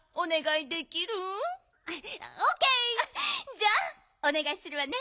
じゃあおねがいするわね。